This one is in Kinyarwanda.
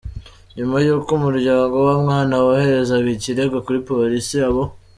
Nyuma y’uko umuryango w’uwo mwana woherezaga ikirego kuri polisi, abo.